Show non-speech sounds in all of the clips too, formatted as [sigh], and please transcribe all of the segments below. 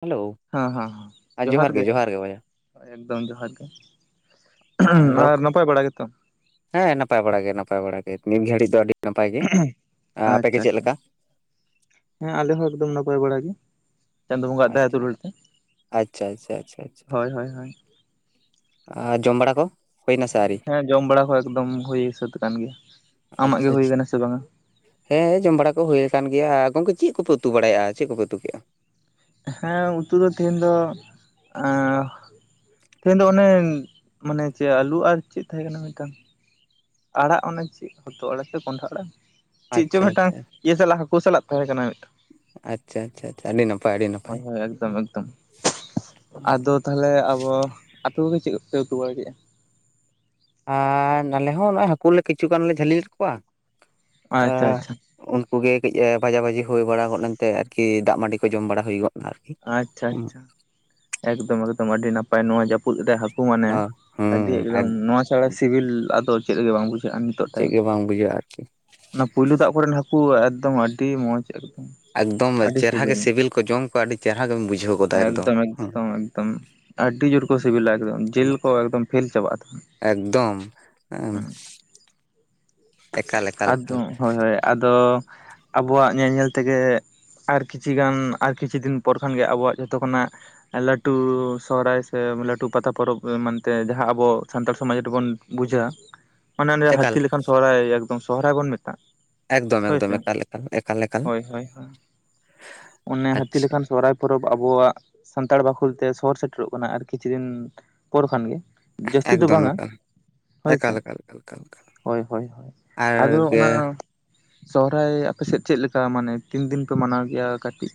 Hello ᱦᱟᱸ ᱦᱟᱸ ᱦᱟᱸ, ᱡᱚᱦᱟᱨ ᱜᱮ, ᱮᱠᱫᱚᱢ ᱡᱚᱦᱟᱨ ᱜᱮ᱾ ᱨᱚᱲ ᱟᱨ ᱠᱚ ᱱᱟᱯᱟᱭ ᱵᱟᱲᱟ ᱜᱮᱛᱚ? ᱦᱮᱸ ᱱᱟᱯᱟᱭ ᱵᱟᱲᱟ ᱜᱮ ᱱᱟᱯᱟᱭ ᱵᱟᱲᱟ ᱜᱮ ᱱᱤᱛ ᱜᱷᱟᱹᱲᱤᱡ ᱫᱚ ᱟᱹᱰᱤ ᱱᱟᱯᱟᱭ ᱜᱮ, ᱟᱯᱮ ᱜᱮ ᱟᱪᱪᱷᱟ ᱪᱮᱫ ᱟᱪᱪᱷᱟ ᱞᱮᱠᱟ? ᱦᱮᱸ ᱟᱞᱮ ᱦᱚᱸ ᱮᱠᱫᱚᱢ ᱱᱟᱯᱟᱭ ᱵᱟᱲᱟ ᱜᱮ᱾ ᱪᱟᱸᱫᱚ ᱵᱚᱸᱜᱟᱣᱟᱜ ᱫᱟᱭᱟ ᱟᱪᱪᱷᱟ ᱫᱩᱞᱟᱹᱲ ᱛᱮ᱾ ᱟᱪᱪᱷᱟ ᱟᱪᱪᱷᱟ ᱟᱪᱪᱷᱟ ᱟᱪᱪᱷᱟ ᱦᱳᱭ ᱦᱳᱭ ᱦᱳᱭ᱾ ᱟᱨ ᱡᱚᱢ ᱵᱟᱲᱟ ᱠᱚ? ᱦᱩᱭᱱᱟ ᱥᱮ ᱟᱹᱣᱨᱤ ᱦᱮᱸ ᱡᱚᱢ ᱵᱟᱲᱟ ᱠᱚ ᱮᱠᱫᱚᱢ ᱦᱩᱭ ᱥᱟᱹᱛ ᱠᱟᱱ ᱜᱮᱭᱟ᱾ ᱟᱪᱪᱷᱟ ᱟᱢᱟᱜ ᱜᱮ ᱦᱩᱭ ᱟᱪᱪᱷᱟ ᱟᱠᱟᱱᱟ ᱥᱮ ᱵᱟᱝᱟ? ᱦᱮᱸ ᱡᱚᱢ ᱵᱟᱲᱟ ᱠᱚ ᱦᱩᱭ ᱟᱠᱟᱱ ᱜᱮᱭᱟ, ᱜᱚᱝᱠᱮ ᱪᱮᱫ ᱠᱚᱯᱮ ᱩᱛᱩ ᱵᱟᱲᱟᱭᱮᱫᱼᱟ, ᱪᱮᱫ ᱠᱚᱯᱮ ᱩᱛᱩ ᱠᱮᱫᱼᱟ? ᱦᱮᱸ ᱩᱛᱩ ᱫᱚ ᱛᱤᱦᱤᱱ ᱫᱚ ᱮᱸ ᱛᱤᱦᱤᱧ ᱫᱚ ᱚᱱᱮ ᱢᱟᱱᱮ ᱪᱮᱫ ᱟᱹᱞᱩ ᱟᱨ ᱪᱮᱫ ᱛᱟᱦᱮᱸ ᱠᱟᱱᱟ ᱢᱤᱫᱴᱟᱝ? ᱟᱲᱟᱜ ᱚᱱᱟ ᱪᱮᱫ ᱦᱚᱛᱚᱫ ᱟᱲᱟᱜ ᱥᱚ ᱠᱚᱸᱰᱷᱟ ᱟᱲᱟᱜ, ᱪᱮᱫ ᱪᱚ ᱟᱪᱪᱷᱟ ᱢᱮᱫᱴᱟᱝ ᱟᱪᱪᱷᱟ ᱤᱭᱟᱹ ᱥᱟᱞᱟᱜ ᱦᱟᱹᱠᱩ ᱥᱟᱞᱟᱜ ᱛᱟᱦᱮᱸ ᱠᱟᱱᱟ ᱢᱮᱫᱴᱟᱝ᱾ ᱟᱪᱪᱷᱟ ᱟᱴᱪᱷᱟ ᱪᱷᱟ ᱟᱹᱰᱤ ᱱᱟᱯᱟᱭ ᱟᱹᱰᱤ ᱦᱳᱭ ᱱᱟᱯᱟᱭ᱾ ᱦᱳᱭ ᱮᱠᱫᱚᱢ ᱮᱠᱫᱚᱢ ᱟᱫᱚ ᱛᱟᱦᱚᱞᱮ ᱟᱵᱚ, ᱟᱯᱮ ᱠᱚᱜᱮ ᱪᱮᱫ ᱠᱚᱯᱮ ᱩᱛᱩ ᱵᱟᱲᱟ ᱠᱮᱜ-ᱟ? ᱟ ᱱᱟᱞᱮ ᱦᱚᱸ ᱱᱚᱜᱼᱚᱭ ᱦᱟᱹᱠᱩ ᱞᱮ ᱠᱤᱪᱷᱩ ᱜᱟᱱ ᱞᱮ ᱡᱷᱟᱹᱞᱤ ᱞᱮᱜ ᱠᱚᱣᱟ ᱟ ᱟᱪᱪᱷᱟ ᱟᱪᱪᱷᱟ ᱩᱱᱠᱩᱜ ᱜᱮ ᱠᱟᱹᱡ ᱵᱷᱟᱡᱟ ᱵᱷᱟᱹᱡᱤ ᱦᱩᱭ ᱵᱟᱲᱟ ᱜᱚᱫ ᱮᱱᱛᱮ ᱟᱨᱠᱤ ᱫᱟᱜ ᱢᱟᱹᱰᱤ ᱠᱚ ᱡᱚᱢ ᱵᱟᱲᱟ ᱦᱩᱭ ᱜᱚᱫ ᱮᱱᱟ ᱟᱨᱠᱤ ᱟᱪᱪᱷᱟ, ᱟᱪᱪᱷᱟ᱾ ᱮᱠᱫᱚᱢ ᱮᱠᱫᱚᱢ ᱟᱹᱰᱤ ᱱᱟᱯᱟᱭ ᱱᱚᱣᱟ ᱡᱟᱹᱯᱩᱫ ᱨᱮ ᱦᱟᱹᱠᱩ ᱢᱟᱱᱮ ᱦᱩᱸ ᱟᱹᱰᱤ ᱮᱠᱫᱚᱢ ᱦᱩᱸ ᱱᱚᱣᱟ ᱪᱷᱟᱲᱟ ᱥᱤᱵᱤᱞ ᱟᱫᱚ ᱪᱮᱫ ᱜᱮ ᱵᱟᱝ ᱵᱩᱡᱷᱟᱹᱜᱼᱟ ᱱᱤᱛᱚᱜ ᱪᱮᱫ ᱴᱟᱹᱭᱤᱢ᱾ ᱜᱮ ᱵᱟᱝ ᱵᱩᱡᱷᱟᱹᱜᱼᱟ ᱟᱨᱠᱤ ᱚᱱᱟ ᱯᱩᱭᱞᱩ ᱫᱟᱜ ᱠᱚᱨᱮᱱ ᱦᱟᱹᱠᱩ ᱮᱠᱫᱚᱢ ᱟᱹᱰᱤ ᱢᱚᱸᱡᱽ ᱮᱠᱫᱚᱢ᱾ ᱮᱠᱫᱚᱢ ᱟᱹᱰᱤ ᱪᱮᱨᱦᱟ ᱜᱮ ᱥᱤᱵᱤᱞ ᱥᱮᱵᱮᱞ ᱠᱚ ᱡᱚᱢ ᱠᱚ ᱟᱹᱰᱤ ᱪᱮᱦᱨᱟ ᱜᱮᱢ ᱵᱩᱡᱷᱟᱹᱣ ᱜᱚᱫᱟ ᱮᱠᱫᱚᱢ᱾ ᱮᱠᱫᱚᱢ ᱮᱠᱫᱚᱢ ᱟᱹᱰᱤ ᱡᱳᱨ ᱠᱚ ᱥᱮᱵᱮᱞᱟ ᱮᱠᱫᱚᱢ ᱡᱮᱞ ᱠᱚ ᱮᱠᱫᱚᱢ ᱯᱷᱮᱞ ᱪᱟᱵᱟᱜᱼᱟ ᱛᱚᱠᱷᱚᱱ᱾ ᱫᱚᱢ ᱮᱸ ᱦᱮᱸ ᱟᱫᱚ ᱮᱠᱟᱞ ᱦᱳᱭ ᱦᱳᱭ ᱟᱫᱚ ᱟᱵᱚᱣᱟᱜ ᱧᱮᱞ ᱧᱮᱞ ᱛᱮᱜᱮ ᱟᱨ ᱠᱤᱪᱷᱤ ᱜᱟᱱ ᱟᱨ ᱠᱤᱪᱷᱩ ᱫᱤᱱ ᱯᱚᱨ ᱠᱷᱟᱱᱜᱮ ᱟᱵᱚᱣᱟᱜ ᱡᱷᱚᱛᱚ ᱠᱷᱚᱱᱟᱜ ᱞᱟᱹᱴᱩ ᱥᱚᱦᱨᱟᱭ ᱥᱮ ᱞᱟᱹᱴᱩ ᱯᱟᱛᱟ ᱯᱚᱨᱚᱵᱽ ᱢᱮᱱᱛᱮ ᱡᱟᱦᱟᱸ ᱟᱵᱚ ᱥᱟᱱᱛᱟᱲ ᱥᱚᱢᱟᱡᱽ ᱨᱮᱵᱚᱱ ᱵᱩᱡᱟ᱾ [inaudible] ᱢᱟᱱᱮ ᱚᱱᱮ ᱮᱠᱟᱞ ᱦᱟᱹᱛᱤ ᱞᱮᱠᱷᱟᱱ ᱥᱚᱦᱨᱟᱭ ᱮᱠᱫᱚᱢ ᱥᱚᱦᱨᱟᱭ ᱵᱚᱱ ᱢᱮᱛᱟᱜ᱾ ᱮᱠᱫᱚᱢ ᱦᱳᱭ ᱮᱠᱫᱚᱢ ᱥᱮ ᱮᱠᱟᱞ ᱮᱠᱟᱞ ᱮᱠᱟᱞ ᱮᱠᱟᱞ ᱦᱳᱭ, ᱦᱳᱭ, ᱦᱳᱭ ᱚᱱᱮ ᱦᱟᱹᱛᱤ ᱟᱪᱪᱷᱟ ᱞᱮᱠᱷᱟᱱ ᱥᱚᱨᱦᱟᱭ ᱯᱚᱨᱚᱵᱽ ᱟᱵᱚᱣᱟᱜ ᱥᱟᱱᱛᱟᱲ ᱵᱟᱠᱷᱳᱞ ᱛᱮ ᱥᱚᱦᱚᱨ ᱥᱮᱴᱮᱨᱚᱜ ᱠᱟᱱᱟ ᱟᱨ ᱠᱤᱪᱷᱩ ᱫᱤᱱ ᱯᱚᱨ ᱠᱷᱟᱱ ᱜᱮ᱾ ᱡᱟᱹᱥᱛᱤ ᱫᱚ ᱮᱠᱫᱚᱢ ᱵᱟᱝᱟ ᱮᱠᱟᱞ ᱦᱳᱭ ᱥᱮ᱾ [unintelligible] ᱦᱳᱭ, ᱦᱳᱭ, ᱦᱳᱭ ᱟᱨ ᱟᱫᱚ ᱚᱱᱟ ᱥᱚᱦᱨᱟᱭ ᱟᱯᱮ ᱥᱮᱫ ᱪᱮᱜ ᱞᱮᱠᱟ ᱢᱟᱱᱮ ᱛᱤᱱ ᱫᱤᱱ ᱯᱮ ᱢᱟᱱᱟᱣ ᱜᱮᱭᱟ ᱠᱟᱹᱴᱤᱡ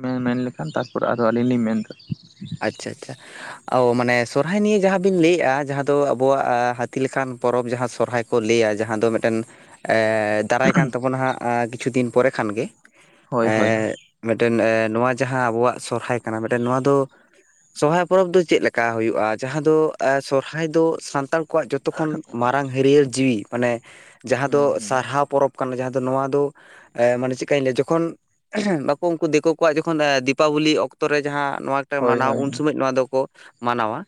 ᱢᱮ-ᱢᱮᱱ ᱞᱮᱠᱷᱟᱱ ᱛᱟᱨᱯᱚᱨ ᱟᱫᱚ ᱟᱹᱞᱤᱧ ᱞᱤᱧ ᱢᱮᱱᱫᱟ᱾ ᱟᱪᱪᱷᱟ, ᱟᱪᱪᱷᱟ᱾ ᱚ ᱢᱟᱱᱮ ᱥᱚᱨᱦᱟᱭ ᱱᱤᱭᱮ ᱡᱟᱦᱟᱸ ᱵᱤᱱ ᱞᱮᱭᱮᱜᱼᱟ ᱡᱟᱦᱟᱸ ᱫᱚ ᱟᱵᱚᱣᱟᱜ ᱦᱟᱹᱛᱤ ᱞᱮᱠᱟᱱ ᱯᱚᱨᱚᱵᱽ ᱡᱟᱦᱟᱸ ᱥᱚᱨᱦᱟᱭ᱾ ᱠᱚ ᱞᱮᱭᱟ ᱡᱟᱦᱟᱸ ᱫᱚ ᱢᱮᱫᱴᱮᱱ ᱮᱸᱻ ᱫᱟᱨᱟᱭ ᱠᱟᱱ ᱛᱟᱵᱚᱱᱟ ᱦᱟᱸᱜ ᱠᱤᱪᱷᱩ ᱫᱤᱱ ᱯᱚᱨᱮ ᱠᱷᱟᱱ ᱜᱮ ᱦᱳᱭ ᱦᱳᱭ ᱮᱸᱜ ᱢᱮᱜᱴᱮᱱ ᱮ ᱱᱚᱣᱟ ᱡᱟᱦᱟᱸ ᱟᱵᱚᱣᱟᱜ ᱥᱚᱨᱦᱟᱭ ᱠᱟᱱᱟ ᱢᱮᱜᱴᱮᱱ ᱱᱚᱣᱟ ᱫᱚ ᱥᱚᱨᱦᱟᱭ ᱯᱚᱨᱚᱵᱽ ᱫᱚ ᱪᱮᱫ ᱞᱮᱠᱟ ᱦᱩᱭᱩᱜᱼᱟ ᱡᱟᱦᱟᱸ ᱫᱚ ᱥᱚᱨᱦᱟᱭ ᱫᱚ ᱥᱟᱱᱛᱟᱲ ᱠᱚᱣᱟᱜ ᱡᱚᱛᱚ ᱠᱷᱚᱱ ᱢᱟᱨᱟᱝ ᱦᱟᱹᱨᱭᱟᱹᱨ ᱡᱤᱣᱤ ᱢᱟᱱᱮ ᱡᱟᱦᱟᱸ ᱫᱚ ᱦᱩᱸ ᱦᱩᱸ ᱥᱟᱨᱦᱟᱣ ᱯᱚᱨᱚᱵᱽ᱾ ᱠᱟᱱᱟ ᱡᱟᱦᱟᱸ ᱫᱚ ᱱᱚᱣᱟ ᱫᱚ ᱮᱸ ᱢᱟᱱᱮ ᱪᱮᱜ ᱠᱟᱧ ᱞᱮᱭᱟ ᱡᱚᱠᱷᱚᱱ ᱵᱟᱠᱚ ᱩᱝᱠᱩ ᱫᱤᱠᱳ ᱠᱚᱣᱟᱜ ᱡᱚᱠᱷᱚᱱ ᱮᱸ ᱫᱤᱯᱟᱵᱚᱞᱤ ᱚᱠᱛᱚ ᱨᱮ ᱡᱟᱦᱟᱸ ᱱᱚᱣᱟ ᱦᱳᱭ ᱢᱟᱱᱟᱣ ᱦᱳᱭ ᱩᱱ ᱥᱚᱢᱚᱡ ᱱᱚᱣᱟ ᱫᱚᱠᱚ ᱢᱟᱱᱟᱣᱟ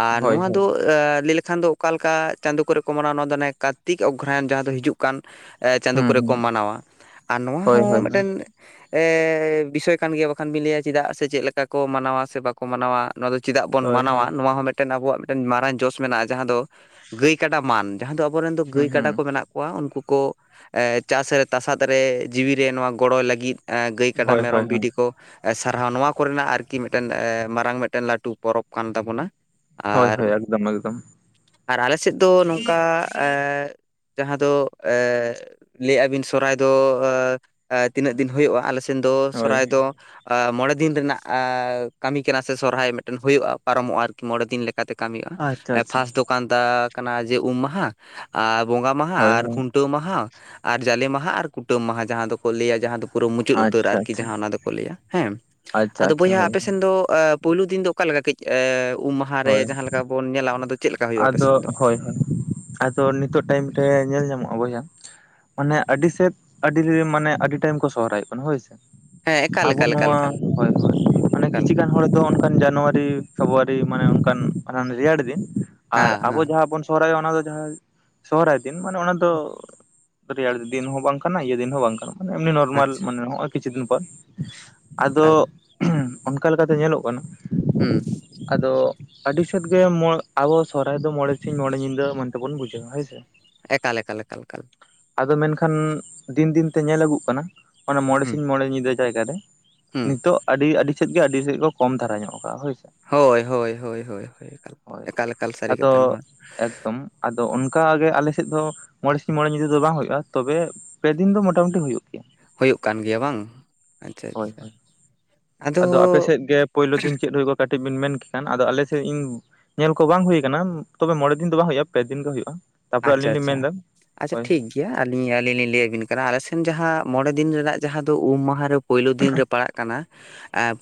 ᱟᱨ ᱦᱳᱭ ᱱᱚᱣᱟ ᱦᱳᱭ ᱫᱚ ᱟ ᱞᱮᱭ ᱞᱮᱠᱷᱟᱱ ᱫᱚ ᱚᱠᱟ ᱞᱮᱠᱟ ᱪᱟᱸᱫᱳ ᱠᱚᱨᱮᱜ ᱠᱚ ᱢᱟᱱᱟᱣᱟ ᱱᱚᱣᱟ ᱫᱚ ᱚᱱᱮ ᱠᱟᱨᱛᱤᱠ ᱚᱜᱽᱨᱚᱭᱚᱱ ᱡᱟᱦᱟᱸ ᱫᱚ ᱦᱤᱡᱩᱜ ᱠᱟᱱ ᱪᱟᱸᱫᱳ ᱦᱩᱸ ᱠᱚᱨᱮᱜ ᱠᱚ ᱦᱩᱸ ᱢᱟᱱᱟᱣᱟ ᱟᱨ ᱱᱚᱣᱟ ᱦᱳᱭ ᱦᱚᱸ ᱦᱳᱭ ᱦᱳᱭ ᱢᱮᱜᱴᱮᱱ ᱮ ᱵᱤᱥᱚᱭ ᱠᱟᱱ ᱜᱮᱭᱟ ᱵᱟᱠᱷᱟᱱ ᱵᱤᱱ ᱞᱮᱭᱟ ᱪᱤᱫᱟᱜ ᱥᱮ ᱪᱮᱫᱞᱮᱠᱟ ᱠᱚ ᱢᱟᱱᱟᱣᱟ ᱥᱮ ᱵᱟᱠᱚ ᱢᱟᱱᱟᱣᱟ ᱱᱚᱣᱟ ᱫᱚ ᱪᱤᱫᱟᱜ ᱵᱚᱱ ᱦᱳᱭ ᱢᱟᱱᱟᱣᱟ ᱦᱳᱭ ᱱᱚᱣᱟ ᱦᱚᱸ ᱢᱮᱜᱴᱮᱱ ᱟᱵᱚᱣᱟᱜ ᱢᱮᱫᱴᱮᱱ ᱢᱟᱨᱟᱝ ᱡᱚᱥ ᱢᱮᱱᱟᱜᱼᱟ ᱡᱟᱦᱟᱸ ᱫᱚ ᱜᱟᱹᱭ ᱠᱟᱰᱟ ᱢᱟᱱ᱾ ᱡᱟᱦᱟᱸ ᱫᱚ ᱟᱵᱚᱨᱮᱱ ᱫᱚ ᱦᱩᱸ ᱜᱟᱹᱭ ᱦᱩᱸ ᱠᱟᱰᱟ ᱠᱚ ᱢᱮᱱᱟᱜ ᱠᱚᱣᱟ ᱩᱱᱠᱩ ᱠᱚ ᱮ ᱪᱟᱥ ᱨᱮ ᱛᱟᱥᱟᱫ ᱨᱮ ᱡᱤᱣᱤᱨᱮ ᱱᱚᱣᱟ ᱜᱚᱲᱚᱭ ᱞᱟᱹᱜᱤᱫ ᱮᱸ ᱜᱟᱹᱭ ᱠᱟᱰᱟ ᱦᱳᱭ ᱦᱳᱭ ᱢᱮᱨᱚᱢ ᱦᱳᱭ ᱵᱷᱤᱰᱤ ᱠᱚ ᱥᱟᱨᱦᱟᱣ ᱱᱚᱣᱟ ᱠᱚᱨᱮᱱᱟᱜ ᱟᱨᱠᱤ ᱢᱮᱜ ᱴᱮᱱ ᱮᱸ ᱢᱟᱨᱟᱝ ᱢᱮᱫᱴᱮᱱ ᱞᱟᱹᱴᱩ ᱯᱚᱨᱚᱵᱽ ᱠᱟᱱ ᱛᱟᱵᱚᱱᱟ᱾ ᱦᱳᱭ, ᱟᱨ ᱦᱳᱭ ᱮᱠᱫᱚᱢ, ᱮᱠᱫᱚᱢ᱾ ᱟᱨ ᱟᱞᱮ ᱥᱮᱫ ᱫᱚ ᱮᱠᱫᱚᱢ ᱱᱚᱝᱠᱟ ᱮᱸᱜ ᱡᱟᱦᱟᱸ ᱫᱚ ᱮᱸ ᱞᱮᱭᱮᱜᱼᱟ ᱵᱤᱱ ᱥᱚᱨᱦᱟᱭ ᱫᱚ ᱮᱸ ᱛᱤᱱᱟᱹᱜ ᱫᱤᱱ ᱦᱳᱭᱳᱜᱼᱟ ᱟᱞᱮ ᱥᱮᱱ ᱫᱚ ᱦᱳᱭ ᱥᱚᱨᱦᱟᱭ ᱫᱚ ᱟ ᱢᱚᱬᱮ ᱫᱤᱱ ᱨᱤᱱᱟᱜ ᱠᱟᱹᱢᱤ ᱠᱟᱱᱟ ᱥᱮ ᱥᱚᱨᱦᱟᱭ ᱢᱮᱫᱴᱮᱱ ᱦᱳᱭᱳᱜᱼᱟ ᱯᱟᱨᱚᱢᱚᱜᱼᱟ ᱟᱨᱠᱤ ᱢᱚᱬᱮ ᱫᱤᱱ ᱞᱮᱠᱟᱛᱮ ᱠᱟᱹᱢᱤᱜᱼᱟ ᱟᱪᱪᱷᱟ ᱮᱸ ᱟᱪᱪᱷᱟ ᱯᱷᱟᱥᱴ ᱫᱚ ᱠᱟᱱᱫᱟ ᱡᱮ ᱩᱢ ᱢᱟᱦᱟ ᱟᱨ ᱵᱚᱸᱜᱟ ᱢᱟᱦᱟ ᱦᱳᱭ ᱟᱨ ᱦᱳᱭ ᱠᱷᱩᱱᱼᱼ ᱴᱟᱹᱣ ᱢᱟᱦᱟ ᱟᱨ ᱡᱟᱞᱮ ᱢᱟᱦᱟ ᱟᱨ ᱠᱩᱴᱟᱹᱢ ᱢᱟᱦᱟ ᱡᱟᱦᱟᱸ ᱫᱚᱠᱚ ᱞᱟᱹᱭᱟ ᱡᱟᱦᱟᱸ ᱫᱚ ᱯᱩᱨᱟᱹ ᱢᱩᱪᱟᱹᱫ ᱩᱛᱟᱹᱨ ᱟᱪᱪᱷᱟ ᱟᱨᱠᱤ ᱟᱪᱪᱷᱟ ᱡᱟᱦᱟᱸ ᱚᱱᱟ ᱫᱚᱠᱚ ᱞᱟᱹᱭᱟ ᱦᱮᱸ, ᱟᱪᱪᱷᱟ ᱟᱫᱚ ᱟᱪᱪᱷᱟ ᱵᱚᱭᱦᱟ ᱦᱳᱭ ᱟᱯᱮ ᱥᱮᱱ ᱫᱚ ᱮ ᱯᱩᱭᱞᱩ ᱫᱤᱱ ᱫᱚ ᱚᱠᱟ ᱞᱮᱠᱟ ᱠᱟᱹᱡ ᱩᱢ ᱢᱟᱦᱟ ᱨᱮ ᱦᱳᱭ ᱡᱟᱦᱟᱸ ᱞᱮᱠᱟ ᱵᱚᱱ ᱧᱮᱞᱟ ᱚᱱᱟ ᱫᱚ ᱪᱮᱫ ᱞᱮᱠᱟ ᱦᱩᱭᱩᱜᱼᱟ ᱟᱯᱮ ᱟᱫᱚ ᱥᱮᱱ ᱫᱚ ᱦᱳᱭ ᱦᱳᱭ ᱟᱫᱚ ᱱᱤᱛᱚᱜ ᱴᱟᱭᱤᱢ ᱨᱮ ᱧᱮᱞ ᱧᱟᱢᱚᱜ-ᱟ ᱵᱚᱭᱦᱟ ᱢᱟᱱᱮ ᱟᱹᱰᱤ ᱥᱮᱫ ᱟᱹᱰᱤ ᱨᱮ ᱢᱟᱱᱮ ᱟᱹᱰᱤ ᱴᱟᱭᱤᱢ ᱠᱚ ᱥᱚᱦᱨᱟᱭᱚᱜ ᱠᱟᱱᱟ ᱦᱳᱭᱥᱮ᱾ ᱦᱮᱸ ᱮᱠᱟᱞ ᱟᱵᱚ ᱮᱠᱟᱞ ᱮᱠᱟᱞ ᱱᱚᱣᱟ ᱮᱠᱟᱞ ᱦᱳᱭ ᱦᱳᱭ ᱢᱟᱱᱮ ᱮᱠᱟᱞ ᱠᱤᱪᱷᱩ ᱜᱟᱱ ᱦᱚᱲ ᱫᱚ ᱚᱱᱠᱟᱱ ᱡᱟᱱᱩᱣᱟᱨᱤ ᱯᱷᱮᱵᱩᱣᱟᱨᱤ ᱢᱟᱱᱮ ᱚᱱᱠᱟᱱ ᱨᱮᱭᱟᱲ ᱫᱤᱱ᱾ ᱟᱨ ᱦᱮᱸ ᱟᱵᱚ ᱦᱮᱸ ᱡᱟᱦᱟᱸ ᱵᱚᱱ ᱥᱚᱦᱚᱨᱟᱭᱚᱜ ᱚᱱᱟ ᱫᱚ ᱡᱟᱦᱟᱸ ᱥᱚᱦᱚᱨᱟᱭ ᱫᱤᱱ ᱢᱟᱱᱮ ᱚᱱᱟ ᱫᱚ ᱨᱮᱭᱟᱲ ᱫᱤᱱ ᱦᱚᱸ ᱵᱟᱝ ᱠᱟᱱᱟ ᱤᱭᱟᱹ ᱫᱤᱱ ᱦᱚᱸ ᱵᱟᱝ ᱠᱟᱱᱟ᱾ ᱢᱟᱱᱮ ᱮᱢᱱᱤ ᱱᱚᱨᱢᱟᱞ ᱟᱪᱪᱷᱟ ᱢᱟᱱᱮ ᱱᱚᱭ ᱠᱤᱪᱷᱩ ᱫᱤᱱ ᱯᱚᱨ, ᱟᱫᱚ ᱮᱠᱟᱞ ᱚᱱᱠᱟ ᱞᱮᱠᱟᱛᱮ ᱧᱮᱞᱚᱜ ᱠᱟᱱᱟ ᱦᱩᱸ ᱟᱫᱚ ᱟᱹᱰᱤ ᱥᱮᱫ ᱜᱮ [unintelligible] ᱟᱵᱚ ᱥᱚᱨᱦᱟᱭ ᱫᱚ ᱢᱚᱬᱮ ᱥᱤᱧ ᱢᱚᱬᱮ ᱧᱤᱫᱟᱹ ᱢᱮᱱᱛᱮ ᱵᱚᱱ ᱵᱩᱡᱷᱟᱹᱣᱟ ᱦᱩᱭ ᱥᱮ᱾ ᱮᱠᱟᱞ ᱮᱠᱟᱞ ᱮᱠᱟᱞ ᱮᱠᱟᱞ ᱾ ᱟᱫᱚ ᱢᱮᱱᱠᱷᱟᱱ ᱫᱤᱱ ᱫᱤᱱᱛᱮ ᱧᱮᱞ ᱟᱹᱜᱩᱜ ᱠᱟᱱᱟ ᱚᱱᱟ ᱢᱚᱬᱮ ᱦᱩᱸ ᱥᱤᱧ ᱢᱚᱬᱮ ᱧᱤᱫᱟᱹ ᱡᱟᱭᱜᱟ ᱨᱮ ᱦᱩᱸ ᱱᱤᱛᱚᱜ ᱟᱹᱰᱤ ᱟᱹᱰᱤ ᱥᱮᱫ ᱜᱮ ᱟᱹᱰᱤ ᱥᱮᱫ ᱜᱮ ᱠᱚᱢ ᱫᱷᱟᱨᱟ ᱧᱚᱜ ᱠᱟᱜ-ᱟ ᱦᱳᱭᱥᱮ᱾ ᱦᱳᱭ ᱦᱳᱭ ᱦᱳᱭ ᱦᱳᱭ ᱦᱳᱭ ᱮᱠᱟ ᱦᱳᱭ ᱮᱠᱟᱞ ᱮᱠᱟᱞ ᱥᱟᱹᱨᱤ ᱟᱫᱚ ᱠᱟᱛᱷᱟ ᱱᱚᱣᱟ᱾ ᱮᱠᱫᱚᱢ ᱟᱫᱚ ᱚᱱᱠᱟᱜᱮ ᱟᱞᱮ ᱥᱮᱫ ᱫᱚ ᱢᱚᱬᱮ ᱥᱤᱧ ᱢᱚᱬᱮ ᱧᱤᱫᱟᱹ ᱫᱚ ᱵᱟᱝ ᱦᱩᱭᱩᱜ-ᱟ ᱛᱚᱵᱮ ᱯᱮᱫᱤᱱ ᱫᱚ ᱢᱚᱴᱟᱢᱩᱴᱤ ᱦᱩᱭᱩᱜ ᱜᱮᱭᱟ ᱦᱩᱭᱩᱜ ᱠᱟᱱ ᱜᱮᱭᱟ ᱵᱟᱝ ᱟᱪᱪᱷᱟ ᱦᱳᱭ ᱟᱪᱪᱷᱟ᱾ ᱦᱳᱭ ᱟᱫᱚ ᱟᱯᱮ ᱥᱮᱫ ᱜᱮ ᱯᱳᱭᱞᱳ ᱫᱤᱱ ᱪᱮᱫ ᱦᱩᱭ ᱠᱟᱹᱴᱤᱡ ᱵᱮᱱ ᱢᱮᱱ ᱠᱮ ᱠᱷᱟᱱ ᱟᱫᱚ ᱟᱞᱮ ᱥᱮᱫ ᱤᱧ ᱧᱮᱞ ᱠᱚ ᱵᱟᱝ ᱦᱩᱭ ᱠᱟᱱᱟ ᱛᱚᱵᱮ ᱢᱚᱬᱮ ᱫᱤᱱ ᱫᱚ ᱵᱟᱝ ᱦᱩᱭᱩᱜ-ᱟ ᱯᱮ ᱫᱤᱱ ᱜᱮ ᱦᱩᱭᱩᱜ-ᱟ, ᱛᱟᱯᱚᱨᱮ ᱟᱪᱪᱷᱟ ᱟᱞᱤᱧ ᱞᱤᱧ ᱟᱪᱪᱷᱟ ᱢᱮᱱ ᱫᱟ ᱟᱪᱪᱷᱟ ᱦᱳᱭ ᱦᱳᱭ᱾ ᱴᱷᱤᱠ ᱜᱮᱭᱟ ᱟᱹᱞᱤᱧ ᱟᱹᱞᱤᱧ ᱞᱤᱧ ᱞᱟᱹᱭ ᱟᱵᱤᱱ ᱠᱟᱱᱟ ᱟᱞᱮ ᱥᱮᱱ ᱡᱟᱦᱟᱸ ᱢᱚᱬᱮ ᱫᱤᱱ ᱨᱮᱱᱟᱜ ᱡᱟᱦᱟᱸ ᱫᱚ ᱩᱢ ᱢᱟᱦᱟ ᱨᱮ ᱯᱩᱭᱞᱩ ᱫᱤᱱ ᱨᱮ ᱯᱟᱲᱟᱜ ᱠᱟᱱᱟ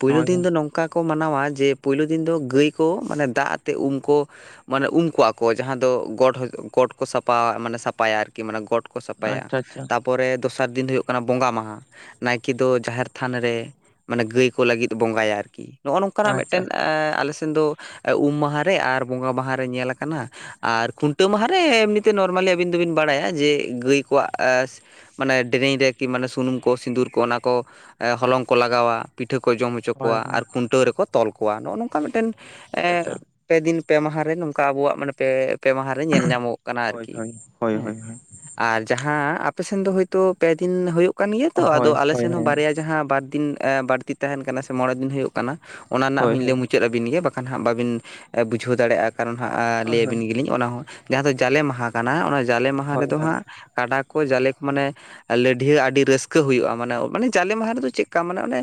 ᱯᱩᱭᱞᱩ ᱦᱳᱭ ᱫᱤᱱ ᱫᱚ ᱱᱚᱝ ᱠᱟ ᱠᱚ ᱢᱟᱱᱟᱣᱟ ᱡᱮ ᱯᱳᱭᱞᱳ ᱫᱤᱱ ᱫᱚ ᱜᱟᱹᱭ ᱠᱚ ᱢᱟᱱᱮ ᱫᱟᱜ ᱟᱛᱮᱜ ᱩᱢ ᱠᱚ ᱢᱟᱱᱮ ᱩᱢ ᱠᱩᱣᱟ ᱠᱚ ᱡᱟᱦᱟᱸ ᱫᱚ ᱜᱚᱰ ᱜᱚᱴ ᱠᱚ ᱥᱟᱯᱷᱟ ᱢᱟᱱᱮ ᱥᱟᱯᱷᱟᱭᱟ ᱟᱨᱠᱤ ᱢᱟᱱᱮ ᱜᱚᱴ ᱠᱚ ᱥᱟᱯᱷᱟᱭᱟ ᱟᱪᱪᱷᱟ ᱟᱪᱪᱷᱟ ᱛᱟ ᱯᱚᱨᱮ ᱫᱚᱥᱟᱨ ᱫᱤᱱ ᱦᱩᱭᱩᱜ ᱠᱟᱱᱟ ᱵᱚᱸᱜᱟ ᱢᱟᱦᱟ᱾ ᱱᱟᱭᱠᱮ ᱫᱚ ᱡᱟᱦᱮᱨ ᱛᱷᱟᱱ ᱨᱮ ᱢᱟᱱᱮ ᱜᱟᱹᱭ ᱠᱚ ᱞᱟᱹᱜᱤᱫ ᱵᱚᱸᱜᱟᱭᱟ ᱟᱨᱠᱤ᱾ ᱱᱚᱜ-ᱚ ᱱᱚᱝᱠᱟ ᱱᱟᱜ ᱟᱪᱪᱷᱟ ᱢᱤᱫᱴᱮᱱ ᱮ ᱟᱞᱮ ᱥᱮᱱ ᱫᱚ ᱩᱢ ᱢᱟᱦᱟ ᱨᱮ ᱟᱨ ᱵᱚᱸᱜᱟ ᱢᱟᱦᱟ ᱨᱮ ᱧᱮᱞ ᱟᱠᱟᱱᱟ ᱟᱨ ᱠᱷᱩᱱᱴᱟᱹᱣ ᱢᱟ ᱦᱮᱸ ᱮᱢᱱᱤᱛᱮ ᱱᱚᱨᱢᱮᱹᱞᱤ ᱟᱹᱵᱤᱱ ᱫᱚᱵᱤᱱ ᱵᱟᱲᱟᱭᱟ ᱡᱮ ᱜᱟᱹᱭ ᱠᱚᱣᱟᱜ ᱢᱟᱱᱮ ᱫᱮᱨᱮᱧ ᱨᱮᱠᱤ ᱢᱟᱱᱮ ᱥᱩᱱᱩᱢ ᱠᱚ ᱥᱤᱸᱫᱩᱨ ᱠᱚ ᱚᱱᱟ ᱠᱚ ᱦᱚᱞᱚᱝ ᱠᱚ ᱞᱟᱜᱟᱣᱟ᱾ ᱯᱤᱴᱷᱟᱹ ᱠᱚ ᱡᱚᱢ ᱦᱚᱪᱚ ᱟᱪᱪᱷᱟ ᱦᱳᱭ ᱠᱚᱣᱟ ᱦᱳᱭ ᱟᱨ ᱠᱷᱩᱱᱴᱟᱹᱣ ᱨᱮᱠᱚ ᱛᱚᱞ ᱠᱚᱣᱟ ᱱᱚᱜ-ᱚ ᱱᱚᱝᱠᱟ ᱢᱤᱫᱴᱮᱱ ᱟᱪᱪᱷᱟ ᱮᱸ ᱟᱪᱪᱷᱟ ᱯᱮ ᱫᱤᱱ ᱯᱮ ᱢᱟᱦᱟ ᱨᱮ ᱱᱚᱝᱠᱟ ᱟᱵᱚᱣᱟᱜ ᱢᱟᱱᱮ ᱯᱮ ᱯᱮ ᱢᱟᱦᱟ ᱨᱮ ᱧᱮ ᱞᱚᱜ ᱠᱟᱱᱟ ᱦᱳᱭ ᱟᱨᱠᱤ ᱦᱳᱭ ᱦᱳᱭ ᱦᱮᱸ ᱦᱳᱭ ᱟᱨ ᱡᱟᱦᱟᱸ ᱟᱯᱮ ᱥᱮᱱ ᱫᱚ ᱦᱚᱭᱛᱚ ᱯᱮ ᱫᱤᱱ ᱦᱚᱭᱚᱜ ᱠᱟᱱ ᱜᱮᱭᱟ ᱛᱚ ᱟᱫᱚ ᱦᱳᱭ ᱦᱳᱭ ᱟᱞᱮ ᱦᱳᱭ ᱥᱮᱱ ᱦᱳᱭ ᱦᱚᱸ ᱵᱟᱨᱭᱟ ᱡᱟᱦᱟᱸ ᱵᱟᱨᱫᱤᱱ ᱵᱟᱹᱲᱛᱤ ᱛᱟᱦᱮᱱ ᱠᱟᱱᱟ ᱥᱮ ᱢᱚᱬᱮ ᱫᱤᱱ ᱦᱩᱭᱩᱜ ᱠᱟᱱᱟ ᱚᱱᱟ ᱨᱮᱱᱟᱜ ᱦᱳᱭ ᱦᱚᱸᱧ ᱞᱟᱹᱭ ᱢᱩ ᱢᱩᱪᱟᱹᱫ ᱟᱹᱵᱤᱱ ᱜᱮ ᱵᱟᱠᱷᱟᱱ ᱦᱟᱸᱜ ᱵᱟᱹᱵᱤᱱ ᱵᱩᱡᱷᱟᱹᱣ ᱫᱟᱲᱮᱭᱟᱜ-ᱟ ᱠᱟᱨᱚᱱ ᱦᱟᱸᱜ ᱞᱟᱹᱭ ᱦᱳᱭ ᱟᱹᱵᱤᱱ ᱜᱮᱞᱤᱧ ᱚᱱᱟ ᱦᱚᱸ᱾ ᱡᱟᱦᱟᱸ ᱫᱚ ᱡᱟᱞᱮ ᱢᱟᱦᱟ ᱠᱟᱱᱟ ᱚᱱᱟ ᱡᱟᱞᱮ ᱢᱟᱦᱟ ᱦᱳᱭ ᱨᱮᱫᱚ ᱦᱳᱭ ᱦᱟᱸᱜ ᱠᱟᱰᱟ ᱠᱚ ᱡᱟᱞᱮ ᱠᱚ ᱢᱟᱱᱮ ᱞᱟᱹᱰᱷᱭᱟᱹ ᱟᱹᱰᱤ ᱨᱟᱹᱥᱠᱟᱹ ᱦᱩᱭᱩᱜ-ᱟ ᱢᱟᱱᱮ ᱢᱟᱱᱮ ᱡᱟᱞᱮ ᱢᱟᱦᱟ ᱨᱮᱫᱚ ᱪᱮᱫᱠᱟ ᱢᱟᱱᱮ ᱚᱱᱮ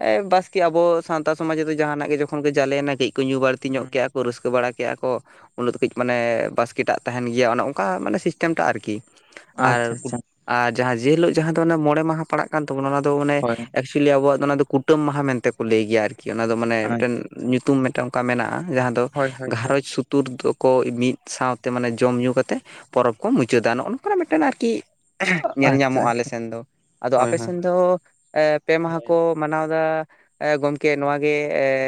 ᱮ ᱵᱟᱥᱠᱮ ᱟᱵᱚ ᱥᱟᱱᱛᱟᱲ ᱥᱚᱢᱟᱡᱽ ᱨᱮᱫᱚ ᱡᱟᱦᱟᱱᱟᱜ ᱜᱮ ᱡᱚᱠᱷᱚᱱ ᱜᱮ ᱡᱟᱞᱮᱱᱟ ᱠᱟᱹᱡ ᱠᱚ ᱧᱩ ᱵᱟᱲ ᱛᱤ ᱧᱚᱜ ᱦᱩᱸ ᱠᱮᱜ-ᱟ ᱠᱚ ᱨᱟᱹᱥᱠᱟᱹ ᱵᱟᱲᱟ ᱠᱮᱜ-ᱟ ᱠᱚ ᱩᱱ ᱫᱚ ᱠᱟᱹᱡ ᱢᱟᱱᱮ ᱵᱟᱥᱠ ᱮ ᱪᱮᱫᱟᱜ ᱛᱟᱦᱮᱱ ᱜᱮᱭᱟ ᱚᱱᱮ ᱚᱱᱠᱟ ᱢᱟᱱᱮ ᱥᱤᱥᱴᱮᱢ ᱴᱟᱜ ᱟᱨᱠᱤ, ᱟᱨ ᱟᱪᱪᱷᱟ ᱠᱩ ᱟᱪᱪᱷᱟ ᱟᱨ ᱡᱟᱦᱟᱸ ᱡᱮ ᱦᱤᱞᱳᱜ ᱡᱟᱦᱟᱸ ᱫᱚ ᱚᱱᱮ ᱢᱚᱬᱮ ᱢᱟᱦᱟ ᱯᱟᱲᱟᱜ ᱠᱟᱱ ᱛᱟᱵᱚᱱᱟ ᱚᱱᱟ ᱫᱚ ᱢᱟᱱᱮ ᱦᱳᱭ ᱮᱠ ᱪᱩᱭᱮᱞᱤ ᱟᱵᱚᱣᱟᱜ ᱫᱚ ᱚᱱᱟ ᱫᱚ ᱠᱩᱴᱟᱹᱢ ᱢᱟᱦᱟ ᱢᱮᱱᱛᱮ ᱠᱚ ᱞᱟᱹᱭ ᱜᱮᱭᱟ ᱟᱨᱠᱤ, ᱚᱱᱟ ᱫᱚ ᱢᱟᱱᱮ ᱢᱤᱫᱴᱮᱱ ᱟᱪᱪᱷᱟ ᱟᱪᱪᱷᱟ ᱧᱩᱛᱩᱢ ᱢᱤᱫᱴᱟᱝ ᱚᱱᱠᱟ ᱢᱮᱱᱟᱜ-ᱟ ᱾ ᱡᱟᱦᱟᱸ ᱫᱚ ᱦᱳᱭ ᱦᱳᱭ ᱦᱳᱭ ᱜᱷᱟᱨᱚᱸᱡᱽ ᱥᱩᱛᱩᱨ ᱫᱚᱠᱚ ᱢᱤᱫ ᱥᱟᱶ ᱛᱮ ᱢᱟᱱᱮ ᱡᱚᱢ ᱧᱩ ᱠᱟᱛᱮᱫ ᱯᱚᱨᱚᱵᱽ ᱠᱚ ᱢᱩᱪᱟᱹᱫᱟ ᱱᱚᱜ-ᱚ ᱱᱚᱝᱠᱟᱱᱟᱜ ᱢᱤᱫᱴᱮᱱ ᱟᱨᱠᱤ ᱧᱮᱞ ᱟᱪᱪᱷᱟ ᱧᱟᱢᱚᱜ-ᱟ ᱟᱞᱮ ᱟᱪᱪᱷᱟ ᱥᱮᱱ ᱫᱚ, ᱟᱫᱚ ᱦᱳᱭ ᱟᱯᱮ ᱦᱳᱭ ᱥᱮᱱ ᱫᱚ ᱮ ᱯᱮ ᱢᱟᱦᱟ ᱦᱳᱭ ᱠᱚ ᱢᱟᱱᱟᱣ ᱮᱫᱟ, ᱮ ᱜᱚᱢᱠᱮ ᱱᱚᱣᱟ ᱜᱮ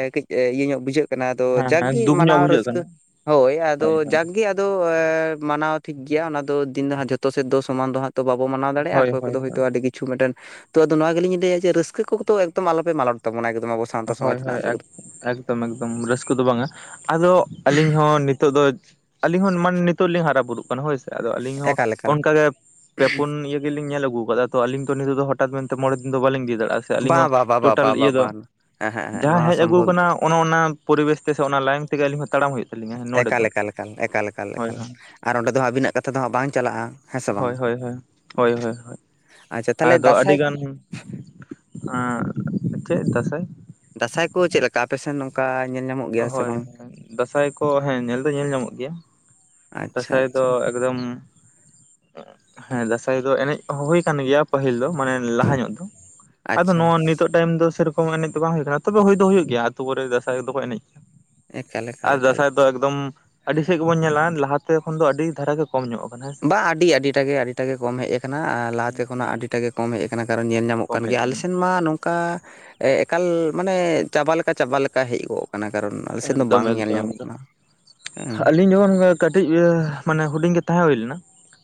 ᱮ ᱠᱟᱹᱡ ᱤᱭᱟᱹ ᱧᱚᱜ ᱵᱩᱡᱷᱟᱹᱜ ᱠᱟᱱᱟ ᱾ ᱟᱫᱚ ᱦᱮᱸ ᱡᱟᱠ ᱦᱮᱸ ᱜᱮ ᱫᱩᱠ ᱧᱚᱜ ᱢᱟᱱᱟᱣ ᱵᱩᱡᱷᱟᱹᱜ ᱨᱟᱹᱥᱠᱟᱹ ᱠᱟᱱᱟ [inaudible] ᱦᱳᱭ ᱟᱫᱚ ᱡᱟᱠ ᱜᱮ ᱟᱫᱚ ᱢᱟᱱᱟᱣ ᱴᱷᱤᱠ ᱜᱮᱭᱟ ᱚᱱᱟ ᱫᱚ ᱫᱤᱱ ᱫᱚ ᱦᱟᱸᱜ ᱡᱷᱚᱛᱚ ᱥᱮᱫ ᱫᱚ ᱥᱚᱢᱟᱱ ᱫᱚ ᱦᱟᱸᱜ ᱛᱚ ᱵᱟᱵᱚ ᱢᱟᱱᱟ ᱦᱳᱭ ᱫᱟᱲᱮᱭᱟᱜ-ᱟ᱾ ᱚᱠᱚᱭ ᱦᱳᱭ ᱠᱚᱫᱚ ᱦᱳᱭ ᱦᱚᱭᱛᱳ ᱟᱹᱰᱤ ᱠᱤ ᱪᱷᱩ ᱢᱤᱫᱴᱮᱱ ᱛᱳ ᱟᱫᱚ ᱱᱚᱣᱟ ᱜᱮᱞᱤᱧ ᱞᱟᱹᱭᱟ ᱡᱮ ᱨᱟᱹᱥᱠᱟᱹ ᱠᱚᱫᱚ ᱮᱠᱫᱚᱢ ᱟᱞᱚ ᱯᱮ ᱢᱟᱞᱚᱴ ᱛᱟᱵᱚᱱᱟ ᱮᱠᱫᱚᱢ ᱟᱵᱚ [unintelligible] ᱥᱚᱢᱟᱡᱽ ᱦᱳᱭ ᱦᱳᱭ ᱮᱠ ᱨᱮᱱᱟᱜ [unintelligible] ᱮᱠᱫᱚᱢ ᱮᱠᱫᱚᱢ ᱨᱟᱹᱥᱠᱟᱹ ᱫᱚ ᱵᱟᱝᱟ, ᱟᱫᱚ ᱟᱹᱞᱤᱧ ᱦᱚᱸ ᱱᱤᱛᱚᱜ ᱫᱚ ᱟᱹᱞᱤᱧ ᱦᱚᱸ ᱢᱟᱱᱮ ᱱᱤᱛᱚᱜ ᱞᱤᱧ ᱦᱟᱨᱟ ᱵᱩᱨᱩᱜ ᱠᱟᱱᱟ ᱦᱳᱭ ᱥᱮ᱾ ᱟᱫᱚ ᱟᱹᱞᱤᱧ ᱦᱚᱸ ᱮᱠᱟᱞ ᱮᱠᱟᱞ ᱚᱱᱠᱟ ᱜᱮ ᱯᱮ ᱯᱩᱱ ᱤᱭᱟᱹ ᱜᱮᱞᱤᱧ ᱧᱮᱞ ᱟᱹᱜᱩ ᱟᱠᱟᱫᱟ ᱾ ᱛᱚ ᱟᱹᱞᱤᱧ ᱛᱚ ᱱᱤᱛᱚᱜ ᱫᱚ ᱦᱚᱴᱟᱛ ᱢᱮᱱᱛᱮ ᱢᱚᱬᱮ ᱫᱤᱱ ᱫᱚ ᱵᱟᱞᱤᱧ ᱤᱫᱤ ᱫᱟᱲᱮᱭᱟᱜ-ᱟ ᱥᱮ ᱟᱹᱞᱤᱧ ᱵᱟ ᱦᱚᱸ ᱵᱟ ᱵᱟ ᱵᱟ ᱴᱳᱴᱟᱞ ᱵᱟ ᱵᱟ ᱤᱭᱟᱹ ᱫᱚ ᱵᱟᱝ ᱦᱮᱸ ᱦᱮᱸ ᱦᱮᱸ ᱡᱟᱦᱟᱸ ᱱᱚᱣᱟ ᱦᱮᱡ ᱟᱹᱜᱩ ᱥᱚᱢᱵᱷᱚᱵ ᱟᱠᱟᱱᱟ ᱚᱱᱟ ᱚᱱᱟ ᱯᱚᱨᱤᱵᱮᱥ ᱛᱮ ᱥᱮ ᱚᱱᱟ ᱞᱟᱭᱤᱱ ᱛᱮᱜᱮ ᱟᱹᱞᱤᱧ ᱦᱚᱸ ᱛᱟᱲᱟᱢ ᱦᱩᱭᱩᱜ ᱛᱟᱹᱞᱤᱧᱟ ᱱᱚᱰᱮ ᱮᱠᱟᱞ ᱫᱚ ᱮᱠᱟᱞ ᱮᱠᱟᱞ ᱮᱠᱟᱞ ᱮᱠᱟᱞ ᱦᱳᱭ ᱮᱠᱟᱞ ᱦᱳᱭ ᱟᱨ ᱚᱸᱰᱮ ᱫᱚ ᱦᱟᱸᱜ ᱟᱹᱵᱤᱱᱟᱜ ᱠᱟᱛᱷᱟ ᱫᱚ ᱦᱟᱸᱜ ᱵᱟᱝ ᱪᱟᱞᱟᱜ-ᱟ ᱦᱮᱸ ᱥᱮ ᱵᱟᱝ᱾ ᱦᱩᱸ, ᱦᱳᱭ ᱦᱳᱭ ᱦᱳᱭ ᱟᱪᱪᱷᱟ ᱾ [inaudible] ᱛᱟᱦᱚᱞᱮ ᱟᱫᱚ ᱫᱟᱸᱥᱟᱭ ᱟᱹᱰᱤ ᱠᱚ ᱜᱟᱱ [inaudible] ᱟᱸᱻ ᱪᱮᱫ ᱫᱟᱸᱥᱟᱭ? ᱫᱟᱸᱥᱟᱭ ᱠᱚ ᱪᱮᱫ ᱞᱮᱠᱟ ᱟᱯᱮ ᱥᱮᱱ ᱱᱚᱝᱠᱟ ᱧᱮᱞ ᱧᱟᱢᱚᱜ ᱜᱮᱭᱟ ᱦᱳᱭ ᱥᱮ ᱦᱳᱭ ᱵᱟᱝ? ᱫᱟᱸᱥᱟᱭ ᱠᱚ ᱦᱮᱸ ᱧᱮᱞ ᱫᱚ ᱧᱮᱞ ᱧᱟᱢᱚᱜ ᱜᱮᱭᱟ᱾ ᱟᱪᱪᱷᱟ ᱫᱟᱸᱥᱟᱭ ᱟᱪᱪᱷᱟ ᱫᱚ ᱮᱠᱫᱚᱢ [inaudible] ᱦᱮᱸ ᱫᱟᱸᱥᱟᱭ ᱫᱚ ᱮᱱᱮᱡ ᱠᱚ ᱦᱚᱸ ᱦᱩᱭ ᱟᱠᱟᱱ ᱜᱮᱭᱟ ᱯᱟᱹᱦᱤᱞ ᱫᱚ ᱢᱟᱱᱮ ᱞᱟᱦᱟ ᱧᱚᱜ [inaudible] ᱟᱫᱚ ᱟᱪᱪᱷᱟ ᱱᱚᱜ-ᱚ ᱱᱤᱛᱚᱜ ᱴᱟᱭᱤᱢ ᱫᱚ ᱥᱮᱨᱚᱠᱚᱢ ᱮᱱᱮᱡ ᱫᱚ ᱵᱟᱝ ᱦᱩᱭ ᱠᱟᱱᱟ, ᱛᱚᱵᱮ ᱦᱩᱭ ᱫᱚ ᱦᱩᱭᱩᱜ ᱜᱮᱭᱟ ᱟᱛᱳ ᱠᱚᱨᱮ ᱫᱟᱸᱥᱟᱭ ᱫᱚ ᱠᱚ ᱮᱱᱮᱡ ᱜᱮᱭᱟ᱾ ᱮᱠᱟᱞ [inaudible] ᱮᱠᱟᱞ ᱟᱨ ᱮᱠᱟᱞ ᱫᱟᱸᱥᱟᱭ ᱫᱚ ᱮᱠᱫᱚᱢ ᱟᱹᱰᱤ ᱥᱮᱫ ᱜᱮ ᱵᱚᱱ ᱧᱮᱞᱟ ᱞᱟᱦᱟᱛᱮ ᱠᱷᱚᱱ ᱫᱚ ᱟᱹᱰᱤ ᱫᱷᱟᱨᱮ ᱜᱮ ᱠᱚᱢ ᱧᱚᱜ ᱠᱟᱱᱟ ᱾ ᱵᱟ ᱟᱹᱰᱤ ᱟᱹᱰᱤᱴᱟᱜ ᱜᱮ ᱟᱹᱰᱤᱴᱟᱜ ᱜᱮ ᱠᱚᱢ ᱦᱮᱡ ᱟᱠᱟᱱᱟ, ᱞᱟᱦᱟᱛᱮ ᱦᱩᱸ ᱠᱷᱚᱱᱟᱜ ᱦᱩᱸ ᱟᱹᱰᱤ ᱴᱟᱜ ᱜᱮ ᱠᱚᱢ ᱦᱮᱡ ᱟᱠᱟᱱᱟ, ᱠᱟᱨᱚᱱ ᱧᱮᱞ ᱧᱟᱢᱚᱜ ᱠᱚᱢ ᱠᱟᱱ ᱦᱮᱡ ᱜᱮᱭᱟ ᱾ ᱟᱞᱮ ᱟᱠᱟᱱᱟ ᱥᱮᱱ ᱢᱟ ᱱᱚᱝ ᱠᱟ, ᱮᱠᱟᱞ ᱢᱟᱱᱮ ᱪᱟᱵᱟ ᱞᱮᱠᱟ ᱪᱟᱵᱟ ᱞᱮᱠᱟ ᱦᱮᱡ ᱜᱚᱫ ᱠᱟᱱᱟ, ᱠᱟᱨᱚᱱ ᱟᱞᱮ ᱥᱮᱫ ᱫᱚ ᱮᱠᱫᱚᱢ ᱵᱟᱝ ᱧᱮᱞ ᱧᱟᱢᱚᱜ ᱠᱟᱱᱟ᱾ [inaudible] ᱦᱮᱸ ᱾ ᱤᱧ ᱡᱚᱠᱷᱚᱱ ᱠᱟᱹᱴᱤᱡ ᱢᱟᱱᱮ ᱦᱩᱰᱤᱧ ᱜᱮ ᱛᱟᱦᱮᱸ ᱦᱩᱭ ᱞᱮᱱᱟ,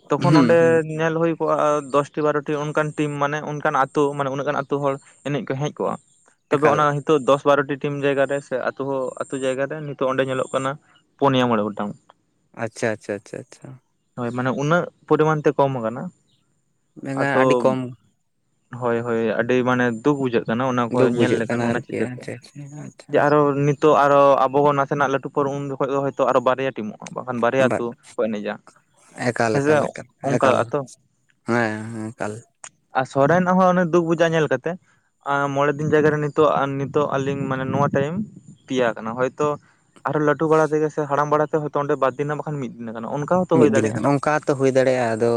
ᱛᱚᱠᱷᱚᱱ ᱦᱩᱸ ᱦᱩᱸ ᱚᱸᱰᱮ ᱧᱮᱞ ᱦᱩᱭ [unintelligible] ᱫᱚᱥᱴᱤ ᱵᱟᱨᱚᱴᱤ ᱚᱱᱠᱟᱱ ᱴᱤᱢ ᱢᱟᱱᱮ ᱚᱱᱠᱟᱱ ᱟᱛᱳ ᱢᱟᱱᱮ ᱩᱱᱟᱹᱜ ᱜᱟᱱ ᱟᱹᱛᱩ ᱦᱚᱲ ᱮᱱᱮᱡ ᱠᱚ ᱦᱮᱡ ᱠᱚᱜ-ᱟ᱾ ᱛᱚᱵᱮ ᱮᱠᱟᱞ ᱚᱱᱟ ᱱᱤᱛᱚᱜ ᱫᱚᱥ ᱵᱟᱨᱚᱴᱤ ᱴᱤᱢ ᱡᱟᱭᱜᱟ ᱨᱮ ᱥᱮ ᱟᱹᱛᱩ ᱦᱚᱸ ᱟᱹᱛᱩ ᱡᱟᱭᱜᱟ ᱨᱮ ᱱᱤᱛᱚᱜ ᱚᱸᱰᱮ ᱧᱮᱞᱚᱜ ᱠᱟᱱᱟ ᱯᱩᱱᱭᱟ ᱢᱚᱬᱮ ᱜᱚᱴᱟᱝ᱾ ᱟᱪᱪᱷᱟ ᱟᱪᱪᱷᱟ ᱟᱪᱪᱷᱟ ᱟᱪᱪᱷᱟ ᱾ ᱦᱳᱭ ᱢᱟᱱᱮ ᱩᱱᱟᱹᱜ ᱯᱚᱨᱤᱢᱟᱱ ᱛᱮ ᱠᱚᱢ ᱟᱠᱟᱱᱟ ᱾ [inaudible] ᱵᱮᱸᱜᱟᱲ ᱟᱫᱚ ᱟᱹᱰᱤ [inaudible] ᱠᱚᱢ ᱦᱳᱭ ᱦᱳᱭ ᱟᱹᱰᱤ ᱢᱟᱱᱮ ᱫᱩᱠ ᱵᱩᱡᱷᱟᱹᱜ ᱚᱱᱟ ᱠᱚ ᱫᱩᱠ ᱧᱮᱞ ᱵᱩᱡᱷᱟᱹᱜ ᱠᱟᱱᱟ ᱞᱮᱠᱷᱟᱱ ᱚᱱᱟ ᱟᱨᱠᱤ ᱪᱤᱛᱟᱹᱨ ᱠᱚ ᱟᱪᱪᱷᱟ ᱟᱪᱪᱷᱟ [inaudible] ᱟᱪᱪᱷᱟ ᱡᱮ ᱟᱨᱚ ᱱᱤ ᱛᱚᱜ ᱟᱨᱚ ᱟᱵᱚ ᱵᱚᱱ ᱱᱟᱥᱮᱱᱟᱜ ᱞᱟᱹᱴᱩ ᱯᱚᱨ ᱩᱱ ᱡᱚᱠᱷᱚᱱ ᱫᱚ ᱦᱚᱭᱛᱚ ᱵᱟᱨᱭᱟ ᱴᱤᱢᱚᱜ-ᱟ, ᱵᱟᱠᱷᱟᱱ ᱵᱟᱨᱭᱟ ᱵᱟ ᱟᱹᱛᱩ ᱠᱚ ᱮᱱᱮᱡᱟ᱾ ᱮᱠᱟᱞ ᱦᱮᱸᱥᱮ ᱮᱠᱟᱞ ᱮᱠᱟᱞ ᱮᱠᱟᱞ ᱚᱱᱠᱟ ᱟᱛᱚ [inaudible] ᱦᱮᱸ ᱮᱠᱟᱞ ᱾ ᱟᱨ ᱥᱚᱨᱮᱱᱟᱜ ᱦᱚᱸ ᱚᱱᱮ ᱫᱩᱠ ᱵᱩᱡᱟ ᱧᱮᱞ ᱠᱟᱛᱮ ᱢᱚᱬᱮ ᱫᱤᱱ ᱡᱟᱭᱜᱟ ᱨᱮ ᱱᱤᱛᱚᱜ ᱱᱤᱛᱚᱜ ᱟᱹᱞᱤᱧ ᱢᱟᱱᱮ ᱱᱚᱣᱟ ᱴᱟᱭᱤᱢ ᱯᱮᱭᱟ ᱟᱠᱟᱱ ᱾ ᱦᱚᱭᱛᱚ ᱟᱨᱦᱚ ᱞᱟᱹᱴᱩ ᱵᱟᱲᱟ ᱛᱮᱜᱮ ᱥᱮ ᱦᱟᱲᱟᱢ ᱵᱟᱲᱟ ᱛᱮ ᱦᱚᱭᱛᱚ ᱚᱸᱰᱮ ᱵᱟᱨ ᱫᱤᱱᱟᱜ ᱵᱟᱠᱷᱟᱱ ᱢᱤᱫᱤᱱ ᱠᱟᱱᱟ ᱾ ᱚᱱᱠᱟ ᱦᱚᱸᱛᱚ ᱦᱩᱭ ᱢᱤᱫ ᱫᱤᱱ ᱠᱟᱱᱟ ᱫᱟᱲᱮᱭᱟᱜᱼᱟ ᱱᱚᱝᱠᱟ ᱛᱚ ᱦᱩᱭ ᱫᱟᱲᱮᱭᱟᱜᱼᱟ᱾ ᱟᱫᱚ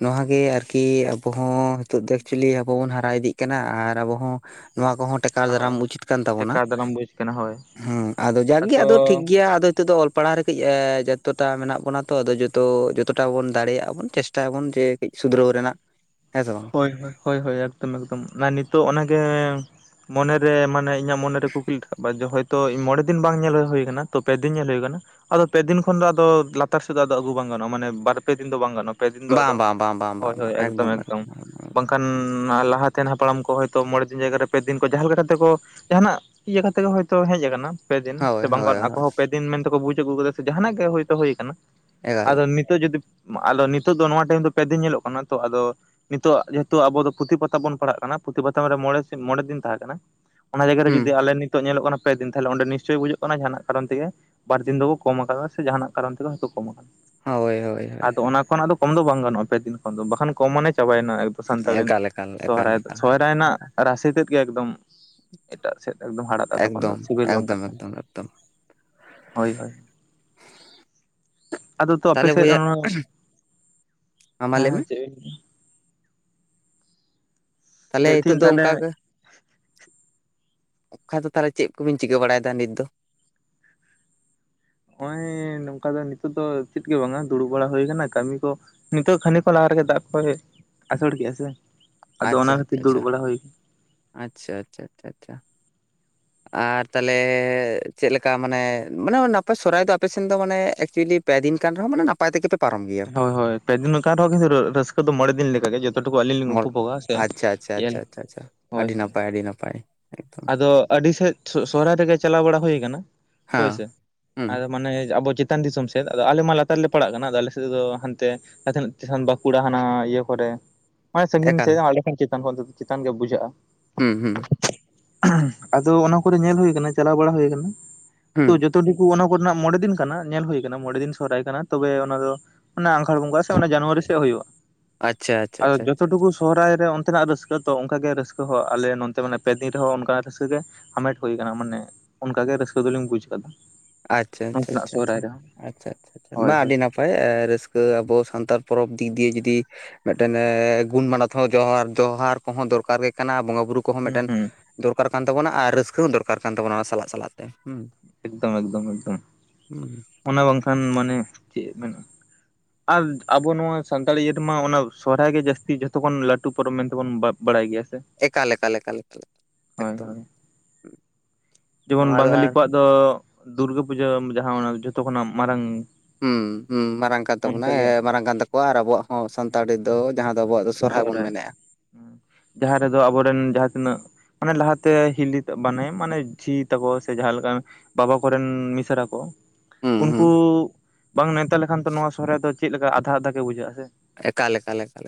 ᱱᱚᱣᱟ ᱜᱮ ᱟᱨᱠᱤ ᱟᱵᱚ ᱦᱚᱸ ᱱᱤᱛᱚᱜ ᱫᱚ ᱮᱠᱪᱚᱞᱞᱤ ᱟᱵᱚ ᱵᱚᱱ ᱦᱟᱨᱟ ᱤᱫᱤᱜ ᱠᱟᱱᱟ ᱟᱨ ᱟᱵᱚ ᱦᱚᱸ ᱱᱚᱣᱟ ᱠᱚᱦᱚᱸ ᱟᱨ ᱫᱷᱟᱨᱟᱢ ᱚ ᱩᱪᱤᱛ ᱠᱟᱱ ᱛᱟᱵᱚᱱᱟ ᱴᱮᱠᱟᱣ ᱫᱟᱨᱟᱢ ᱵᱩᱡᱽ ᱠᱟᱱᱟ ᱦᱳᱭ [inaudible] ᱦᱮᱸ ᱟᱫᱚ ᱡᱟᱸᱠ ᱜᱮ ᱟᱫᱚ ᱴᱷᱤᱠ ᱜᱮᱭᱟ᱾ ᱟᱫᱚ ᱱᱤᱛᱚᱜ ᱫᱚ ᱚᱞ ᱯᱟᱲᱦᱟᱣ ᱨᱮ ᱠᱟᱹᱡ ᱡᱚᱛᱚᱴᱟ ᱢᱮᱱᱟᱜ ᱵᱚᱱᱟ ᱛᱚ, ᱟᱫᱚ ᱡᱚᱛᱚ ᱡᱚᱛᱚᱴᱟ ᱵᱚᱱ ᱫᱟᱲᱮᱭᱟᱜ-ᱟ ᱵᱚᱱ ᱪᱮᱥᱴᱟᱭᱟᱵᱚᱱ ᱡᱮ ᱠᱟᱹᱡ ᱥᱩᱫᱷᱨᱟᱹᱣ ᱨᱮᱱᱟᱜ᱾ ᱦᱮᱸ ᱥᱮ ᱦᱳᱭ ᱦᱳᱭ‌‌ ᱦᱳᱭ ᱮᱠᱫᱚᱢ ᱮᱠᱫᱚᱢ᱾ ᱚᱱᱟ ᱱᱤᱛᱚᱜ ᱚᱱᱟ ᱜᱮ ᱢᱚᱱᱮ ᱨᱮ ᱢᱟᱱᱮ, ᱤᱧᱟᱹᱜ ᱢᱚᱱᱮ‌ ᱨᱮ ᱠᱩᱠᱞᱤ ᱟᱠᱟᱫ ᱡᱮ ᱦᱚᱭᱛᱚ ᱤᱧ ᱢᱚᱬᱮ ᱫᱤᱱ ᱵᱟᱝ ᱧᱮᱞ ᱦᱩᱭ ᱟᱠᱟᱱᱟ ᱛᱚ ᱯᱮ ᱫᱤᱱ ᱧᱮᱞ ᱦᱩᱭ ᱟᱠᱟᱱᱟ᱾ ᱟᱫᱚ ᱯᱮ ᱫᱤᱱ ᱠᱷᱚᱱ ᱫᱚ ᱟᱫᱚ ᱞᱟᱛᱟᱨ ᱥᱮᱫ ᱫᱚ ᱟᱹᱜᱩ ᱵᱟᱝ ᱜᱟᱱᱚᱜ-ᱟ, ᱢᱟᱱᱮ ᱵᱟᱨ ᱯᱮ ᱫᱤᱱ ᱫᱚ ᱵᱟᱝ ᱜᱟᱱᱚᱜᱼᱟ᱾ ᱯᱮ ᱫᱤᱱ ᱫᱚ ᱟᱫᱚ ᱵᱟᱝ ᱵᱟᱝ ᱵᱟᱝ ᱵᱟᱝ [inaudible] ᱦᱳᱭ ᱵᱟᱝ ᱦᱳᱭ ᱵᱟᱝ ᱮᱠᱫᱚᱢ ᱮᱠᱫᱚᱢ᱾ ᱵᱟᱝᱠᱷᱟᱱ ᱞᱟᱦᱟᱛᱮᱱ ᱦᱟᱯᱲᱟᱢ ᱠᱚ ᱦᱚᱭᱛᱚ ᱢᱚᱬᱮ ᱫᱤᱱ ᱡᱟᱭᱜᱟ ᱨᱮ ᱯᱮ ᱫᱤᱱ ᱠᱚ ᱡᱟᱦᱟᱸ ᱞᱮᱠᱟ ᱠᱟᱛᱮᱠᱚ ᱡᱟᱦᱟᱱᱟᱜ ᱤᱭᱟᱹ ᱠᱟᱛᱮᱜ ᱜᱮ ᱦᱳᱭᱛᱳ ᱦᱮᱡ ᱟᱠᱟᱱᱟ ᱯᱮ ᱫᱤᱱ ᱥᱮ ᱦᱳᱭ ᱦᱳᱭ ᱵᱟᱝᱠᱷᱟᱱ ᱦᱳᱭ ᱟᱠᱚ ᱦᱚᱸ ᱯᱮ ᱫᱤᱱ, ᱫᱤᱱ ᱢᱮᱱᱛᱮᱠᱚ ᱵᱩᱡ ᱟᱹᱜᱩ ᱠᱮᱫᱟ ᱥᱮ ᱡᱟᱦᱱᱟᱜ ᱜᱮ ᱦᱚᱭᱛᱳ ᱦᱩᱭ ᱠᱟᱱᱟ [inaudible] ᱮᱠᱟᱞ ᱟᱫᱚ ᱢᱤᱫ ᱱᱤᱛᱚᱜ ᱡᱩᱫᱤ ᱟᱫᱚ ᱱᱤᱛᱚᱜ ᱫᱚ ᱱᱚᱣᱟ ᱴᱟᱭᱤᱢ ᱫᱚ ᱯᱮ ᱫᱤᱱ ᱧᱮᱞᱚᱜ ᱠᱟᱱᱟ ᱛᱚ ᱟᱫᱚ, ᱱᱤᱛᱚᱜ ᱡᱮᱦᱮᱛᱩ ᱟᱵᱚ ᱫᱚ ᱯᱩᱛᱷᱤ ᱯᱟᱛᱷᱟ ᱵᱚᱱ ᱯᱟᱲᱦᱟᱜ ᱠᱟᱱᱟ ᱯᱩᱛᱷᱤ ᱯᱟᱛᱷᱟᱢ ᱨᱮ ᱢᱚᱬᱮ ᱢᱚᱬᱮ ᱫᱤᱱ ᱛᱟᱦᱮᱸ ᱠᱟᱱᱟ᱾ ᱚᱱᱟ ᱡᱟᱭᱜᱟ ᱨᱮ ᱦᱩᱸ ᱡᱩᱫᱤ ᱟᱞᱮ ᱱᱤᱛᱚᱜ ᱧᱮᱞᱚᱜ ᱠᱟᱱᱟ ᱯᱮ ᱫᱤᱱ ᱛᱟᱦᱞᱮ ᱚᱸᱰᱮ ᱱᱤᱥᱪᱚᱭ ᱵᱩᱡᱩᱜ ᱠᱟᱱᱟ ᱡᱟᱦᱟᱸᱱᱟᱜ ᱠᱟᱨᱚᱱ ᱛᱮᱜᱮ ᱵᱟᱨ ᱫᱤᱱ ᱫᱚᱠᱚ ᱠᱚᱢ ᱟᱠᱟᱫᱟ ᱥᱮ ᱡᱟᱦᱟᱱᱟᱜ ᱠᱟᱨᱚᱱ ᱛᱮᱜᱮ ᱦᱚᱭᱛᱚ ᱠᱚᱢ ᱟᱠᱟᱱᱟ᱾ ᱦᱳᱭ ᱦᱳᱭ ᱦᱳᱭ ᱟᱫᱚ ᱚᱱᱟ ᱠᱷᱚᱱᱟᱜ ᱫᱚ ᱠᱚᱢ ᱫᱚ ᱵᱟᱝ ᱜᱟᱱᱚᱜ-ᱟ ᱯᱮ ᱫᱤᱱ ᱠᱷᱚᱱ ᱫᱚ ᱵᱟᱠᱷᱟᱱ ᱠᱚᱢ ᱢᱟᱱᱮ ᱪᱟᱵᱟᱭᱮᱱᱟ ᱮᱠᱫᱚᱢ᱾ ᱥᱟᱱᱛᱟᱲᱤ ᱮᱠᱟᱞ ᱮᱠᱟᱞ ᱮᱠᱟᱞ ᱥᱚᱦᱚᱨᱟᱭ ᱫᱚ ᱮᱠᱟᱞ ᱥᱚᱦᱚᱨᱟᱭ ᱨᱮᱱᱟᱜ ᱨᱟᱥᱤ ᱛᱮᱫ ᱜᱮ ᱮᱠᱫᱚᱢ ᱮᱴᱟᱜ ᱥᱮᱫ ᱮᱠᱫᱚᱢ ᱦᱟᱨᱟᱫ-ᱟ ᱛᱚᱠᱷᱚᱱ ᱫᱚ ᱮᱠᱫᱚᱢ ᱥᱤᱵᱤᱞ ᱵᱟᱝ ᱮᱠᱫᱚᱢ ᱠᱟᱛᱮᱫ, ᱮᱠᱫᱚᱢ ᱮᱠᱫᱚᱢ ᱦᱳᱭ ᱦᱳᱭ ᱟᱫᱚ ᱛᱚ ᱟᱯᱮ ᱛᱟᱦᱚᱞᱮ ᱥᱮᱫ ᱵᱚᱭᱦᱟ ᱚᱱᱟ [inaudible] ᱢᱟ ᱦᱮᱸ ᱞᱟᱹᱭ ᱢᱮ ᱦᱮᱸ ᱪᱮᱫ ᱵᱤᱱ ᱞᱮᱭᱟ ᱛᱟᱦᱚᱞᱮ ᱞᱟᱹᱭᱮᱫ ᱱᱤᱛᱚᱜ ᱛᱟᱦᱮᱸᱧ ᱫᱚ ᱛᱟᱦᱚᱞᱮ ᱚᱱᱠᱟᱜᱮ, ᱚᱠᱷᱟ ᱫᱚ ᱛᱟᱦᱚᱞᱮ ᱪᱮᱫ ᱠᱚᱵᱤᱱ ᱪᱤᱠᱟᱹ ᱵᱟᱲᱟᱭᱫᱟ ᱱᱤᱛ ᱫᱚ? ᱱᱚᱜ-ᱚᱭ ᱱᱚᱝᱠᱟ ᱫᱚ ᱱᱤᱛᱳ ᱫᱚ ᱪᱮᱫ ᱜᱮ ᱵᱟᱝ-ᱟ ᱫᱩᱲᱩᱵ ᱵᱟᱲᱟ ᱦᱩᱭ ᱟᱠᱟᱱᱟ ᱠᱟᱹᱢᱤ ᱠᱚ, ᱱᱤᱛᱚᱜ ᱠᱷᱟᱹᱱᱤᱜ ᱠᱷᱚᱱ ᱞᱟᱦᱟ ᱨᱮᱜᱮ ᱫᱟᱜ ᱠᱚᱭ ᱟᱹᱥᱩᱲ ᱠᱮᱜ-ᱟ ᱥᱮ, ᱟᱫᱚ ᱟᱪᱪᱷᱟ ᱚᱱᱟ ᱠᱷᱟᱹᱛᱤᱨ ᱟᱪᱪᱷᱟ ᱟᱪᱷᱟ ᱫᱩᱲᱩᱵ ᱵᱟᱲᱟ ᱦᱩᱭ ᱟᱪᱪᱷᱟ ᱟᱪᱪᱷᱟ ᱟᱪᱷᱟ ᱟᱪᱷᱟ᱾ ᱟᱨ ᱛᱟᱦᱚᱞᱮ ᱪᱮᱫ ᱞᱮᱠᱟ ᱢᱟᱱᱮ ᱢᱟᱱᱮᱣ ᱥᱚᱨᱦᱟᱭ ᱫᱚ ᱟᱯᱮᱥᱮᱱ ᱫᱚ ᱢᱟᱱᱮ ᱮᱠᱪᱩᱭᱮᱞᱤ ᱯᱮ ᱫᱤᱱ ᱠᱟᱱ ᱨᱮᱦᱚᱸ ᱢᱟᱱᱮᱼᱼ ᱱᱟᱯᱟᱭ ᱛᱮᱜᱮᱯᱮ ᱯᱟᱨᱚᱢ ᱜᱮᱭᱟ, ᱦᱳᱭ ᱦᱳᱭ ᱯᱮᱫᱤᱱ ᱱᱚ ᱠᱟᱱ ᱨᱮᱦᱚᱸ ᱠᱤᱱᱛᱩ ᱨᱟᱹᱥᱠᱟᱹ ᱫᱚ ᱢᱚᱬᱮ ᱫᱤᱱ ᱞᱮᱠᱟᱜᱮ ᱡᱮᱼᱼ ᱡᱮᱴᱩᱠᱩ ᱟᱹᱞᱤᱧ ᱞᱤᱧ ᱢᱚ ᱩᱯᱩᱵᱚᱜ-ᱟ ᱥᱮ ᱟᱪᱪᱷᱟ ᱟᱪᱪᱷᱟ ᱟᱪᱪᱷᱟ ᱟᱪᱪᱷᱟ ᱟᱪᱪᱷᱟ [unintelligible] ᱦᱳᱭ ᱟᱹᱰᱤ ᱱᱟᱯᱟᱭ ᱟᱹᱰᱤ ᱱᱟᱯᱟᱭ ᱮᱠᱫᱚᱢ [inaudible] ᱟᱫᱚ ᱟᱹᱰᱤ ᱥᱮᱫ ᱥᱚᱦᱨᱟᱭ ᱨᱮᱜᱮ ᱪᱟᱞᱟᱣ ᱵᱟᱲᱟ ᱦᱩᱭ ᱠᱟᱱᱟ ᱦᱮᱸ ᱦᱳᱭᱥᱮ ᱦᱩᱸ ᱟᱨ ᱢᱟᱱᱮ ᱟᱵᱚ ᱼᱼ ᱪᱮᱛᱟᱱ ᱫᱤᱥᱚᱢ ᱥᱮᱫ ᱟᱞᱮ ᱢᱟ ᱞᱟᱛᱟᱨ ᱞᱮ ᱯᱟᱲᱟᱜ ᱠᱟᱱᱟ ᱟᱫᱚ ᱟᱞᱮᱥᱮᱫ ᱫᱚ ᱦᱟᱱᱛᱮ [unintelligible] ᱵᱟᱸᱠᱩᱲᱟ ᱦᱟᱱᱟ ᱤᱭᱟᱹ ᱠᱚᱨᱮ, ᱢᱟᱱᱮ ᱥᱟᱺᱜᱤᱧ ᱮᱠᱟᱞ ᱥᱮᱫ ᱟᱞᱮ ᱠᱷᱚᱱ ᱪᱮᱛᱟᱱ ᱠᱷᱚᱱ ᱪᱮᱛᱟᱱ ᱜᱮ ᱵᱩᱡᱷᱟᱹᱜ-᱾ᱟ ᱦᱩᱸᱻ ᱦᱩᱸ ᱟᱫᱚ ᱚᱱᱟ ᱠᱚᱨᱮ ᱧᱮᱞ ᱦᱩᱭ ᱠᱟᱱᱟ ᱪᱟᱞᱟᱣ ᱵᱟᱲᱟ ᱦᱩᱭ ᱠᱟᱱᱟ ᱦᱩᱸ ᱛᱚ ᱡᱚ ᱛᱟᱰᱩᱠᱩ ᱚᱱᱟ ᱠᱚᱨᱮᱱᱟᱜ ᱢᱚᱬᱮ ᱫᱤᱱ ᱠᱟᱱᱟ ᱧᱮᱞ ᱦᱩᱭ ᱟᱠᱟᱱᱟ ᱢᱚᱬᱮ ᱫᱤᱱ ᱥᱚᱦᱚᱨᱟᱭ ᱠᱟᱱᱟ ᱛᱚᱵᱮ ᱚᱱᱟ ᱫᱚ, ᱚᱱᱟ ᱟᱸᱜᱷᱟᱲ ᱵᱚᱸᱜᱟ ᱥᱮ ᱚᱱᱟ ᱡᱟᱱᱩᱣᱟᱨᱤ ᱥᱮᱫ ᱦᱩᱭᱩᱜ-ᱟ ᱟᱪᱪᱷᱟ ᱟᱪᱪᱷᱟ [inaudible] ᱟᱫᱚ ᱟᱪᱪᱷᱟ ᱡᱚᱛᱚ ᱟᱪᱪᱷᱟ ᱴᱩᱠᱩ ᱥᱚᱦᱚᱨᱟᱭ ᱨᱮ ᱚᱱᱛᱮᱱᱟᱜ ᱨᱟᱹᱥᱠᱟᱹ ᱛᱚ ᱚᱱᱠᱟ ᱜᱮ ᱨᱟᱹᱥᱠᱟᱹ ᱦᱚᱸ ᱟᱞᱮ ᱱᱚᱱᱛᱮ ᱢᱟᱱᱮ ᱯᱮ ᱫᱤᱱ ᱨᱮᱦᱚᱸ ᱚᱱᱠᱟᱱᱟᱜ ᱨᱟᱹᱥᱠᱟᱹ ᱜᱮ ᱦᱟᱢᱮᱴ ᱦᱩᱭ ᱟᱠᱟᱱᱟ ᱢᱟᱱᱮ ᱚᱱᱠᱟᱜᱮ ᱨᱟᱹᱥᱠᱟᱹ ᱫᱚᱞᱤᱧ ᱵᱩᱡ ᱟᱠᱟᱫᱟ᱾ ᱟᱪᱪᱷᱟ ᱟᱪᱪᱷᱟ ᱱᱚᱛᱮᱱᱟᱜ ᱥᱚᱦᱨᱟᱭ ᱟᱪᱷᱟ ᱨᱮᱦᱚᱸ ᱟᱪᱷᱟ ᱟᱪᱷᱟ ᱦᱳᱭ ᱢᱟ ᱦᱳᱭ ᱟᱹᱰᱤ ᱱᱟᱼᱼ ᱯᱟᱭ ᱨᱟᱹᱥᱠᱟᱹ ᱟᱵᱚ ᱥᱟᱱᱛᱟᱲ ᱯᱚᱨᱚᱵᱽ ᱫᱤᱠ ᱫᱤᱭᱮ ᱡᱩᱫᱤ ᱢᱤᱫᱴᱮᱱ ᱜᱩᱱ ᱢᱟᱱᱚᱛ ᱦᱚᱸ ᱡᱚᱦᱟᱨ ᱡᱚᱦᱟᱨ ᱠᱚᱦᱚᱸ ᱫᱚᱨᱠᱟᱨ ᱜᱮ ᱠᱟᱱᱟ ᱵᱚᱸᱜᱟ ᱵᱩᱨᱩ ᱠᱚᱦᱚᱸ ᱦᱩᱸ ᱢᱤᱫᱴᱮᱱ ᱦᱩᱸ ᱫᱚᱨᱠᱟᱨ ᱠᱟᱱ ᱛᱟᱵᱚᱱᱟ ᱟᱨ ᱨᱟᱹᱥᱠᱟᱹ ᱦᱚᱸ ᱫᱚᱨᱠᱟᱨ ᱠᱟᱱ ᱛᱟᱵᱚᱱᱟ ᱚᱱᱟ ᱥᱟᱞᱟᱜ ᱥᱟᱞᱟᱜ ᱛᱮ ᱦᱩᱸ᱾ ᱮᱠᱫᱚᱢ ᱮᱠᱫᱚᱢ ᱮᱠᱫᱚᱢ᱾ ᱦᱩᱸ᱾ ᱚᱱᱟ ᱵᱟᱝᱠᱷᱟᱱ ᱢᱟᱱᱮ ᱪᱮᱫ ᱢᱮᱱ ᱟᱨ ᱟᱵᱚ ᱱᱚᱣᱟ ᱥᱟᱱᱛᱟᱲ ᱤᱭᱟᱹ ᱨᱮᱢᱟ ᱚᱱᱟ ᱥᱚᱦᱨᱟᱭ ᱜᱮ ᱡᱟᱹᱥᱛᱤ ᱡᱚᱛᱚ ᱠᱷᱚᱱ ᱞᱟᱹᱴᱩ ᱯᱚᱨᱚᱵᱽ ᱢᱮᱱᱛᱮᱵᱚᱱ ᱵᱟᱯ ᱵᱟᱲᱟᱭ ᱜᱮᱭᱟ ᱥᱮ? ᱮᱠᱟᱞ ᱮᱠᱟᱞ ᱮᱠᱟᱞ ᱦᱳᱭ ᱮᱠᱫᱚᱢ᱾ ᱦᱳᱭ ᱡᱮᱢᱚᱱ ᱱᱚᱣᱟ ᱫᱚ ᱵᱟᱝᱜᱟᱞᱤ ᱟᱨ ᱠᱚᱣᱟᱜ ᱫᱚ ᱫᱩᱨᱜᱟᱹ ᱯᱩᱡᱟᱹ ᱡᱟᱦᱟᱸ ᱚᱱᱟ ᱡᱷᱚᱛᱚ ᱠᱷᱚᱱᱟᱜ ᱢᱟᱨᱟᱝ ᱦᱩᱸ ᱦᱩᱸ ᱢᱟᱨᱟᱝ ᱠᱟᱱ ᱛᱟᱵᱚᱱᱟ ᱚᱱᱠᱟᱜᱮ ᱢᱟᱨᱟᱝ ᱠᱟᱱ ᱛᱟᱠᱚᱣᱟ ᱟᱨ ᱟᱵᱚᱣᱟᱜ ᱦᱚᱸ ᱥᱟᱱᱛᱟᱲᱤ ᱫᱚ ᱡᱟᱦᱟᱸ ᱫᱚ ᱟᱵᱚᱣᱟᱜ ᱫᱚ ᱥᱚᱨᱦᱟᱭ ᱵᱚᱱ ᱥᱚᱦᱨᱟᱭ ᱢᱮᱱᱮᱫᱼᱟ ᱡᱟᱦᱟᱸ ᱨᱮᱫᱚ ᱟᱵᱚᱨᱮᱱ ᱡᱟᱦᱟᱸ ᱛᱤᱱᱟᱹᱜ ᱢᱟᱱᱮ ᱞᱟᱦᱟᱛᱮ ᱦᱤᱞᱤᱛᱮ ᱵᱟᱱᱮ ᱢᱟᱱᱮ ᱡᱷᱤ ᱛᱟᱠᱚ ᱥᱮ ᱡᱟᱦᱟᱸ ᱞᱮᱠᱟ ᱵᱟᱵᱟ ᱠᱚᱨᱮᱱ ᱢᱤᱥᱨᱟ ᱠᱚ᱾ ᱦᱩᱸ ᱦᱩᱸ ᱩᱱᱠᱩ ᱵᱟᱝ ᱱᱮᱣᱛᱟ ᱞᱮᱠᱷᱟᱱ ᱫᱚ ᱱᱚᱣᱟ ᱥᱚᱦᱚᱨᱟᱭ ᱫᱚ ᱪᱮᱫᱞᱮᱠᱟ ᱟᱫᱷᱟ ᱟᱫᱷᱟ ᱜᱮ ᱵᱩᱡᱷᱟᱹᱜ-ᱟ ᱥᱮ᱾ ᱮᱠᱟᱞ ᱮᱠᱟᱞ ᱮᱠᱟᱞ,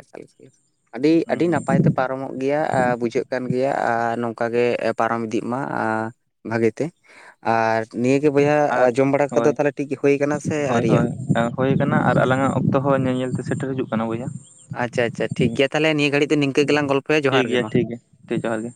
ᱟᱹᱰᱤ ᱦᱩᱸ ᱟᱹᱰᱤ ᱦᱩᱸ ᱱᱟᱯᱟᱭ ᱛᱮ ᱯᱟᱨᱚᱢᱚᱜ ᱜᱮᱭᱟ ᱟᱨ ᱵᱩᱡᱷᱟᱹᱜ ᱠᱟᱱ ᱜᱮᱭᱟ ᱟᱨ ᱱᱚᱝᱠᱟᱜᱮ ᱯᱟᱨᱚᱢ ᱤᱫᱤᱜ ᱢᱟ ᱾ ᱵᱷᱟᱜᱤᱛᱮ ᱟᱨ ᱱᱤᱭᱟᱹᱜᱮ ᱵᱚᱭᱦᱟ ᱟᱨ ᱡᱚᱢ ᱵᱟᱲᱟ ᱠᱚᱫᱚ ᱦᱳᱭ ᱛᱟᱦᱚᱞᱮ ᱴᱷᱤᱠ ᱦᱩᱭ ᱠᱟᱱᱟ ᱥᱮ ᱟᱹᱣᱨᱤᱭᱟᱜᱼᱟ? ᱦᱩᱭ ᱟᱠᱟᱱᱟ ᱟᱨ ᱟᱞᱟᱝᱟᱜ ᱚᱠᱛᱚ ᱦᱚᱸ ᱧᱮᱞ ᱧᱮᱞ ᱛᱮ ᱥᱮᱴᱮᱨ ᱦᱤᱡᱩᱜ ᱠᱟᱱᱟ ᱵᱚᱭᱦᱟ᱾ ᱟᱪᱪᱷᱟ ᱟᱪᱷᱟ ᱴᱷᱤᱠ ᱜᱮᱭᱟ ᱛᱟᱦᱞᱮ ᱱᱤᱭᱟᱹ ᱜᱷᱟᱲᱤᱡ ᱫᱚ ᱱᱤᱝᱠᱟᱹ ᱜᱮᱞᱟᱝ ᱜᱚᱞᱯᱚ ᱴᱷᱤᱠ ᱜᱮᱭᱟ ᱴᱷᱤᱠ ᱜᱮᱭᱟ ᱴᱷᱤᱠ ᱡᱚᱦᱟᱨ ᱜᱮ᱾